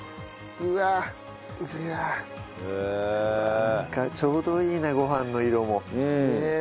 うわっなんかちょうどいいねご飯の色も。ねえ。